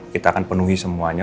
kita akan penuhi semuanya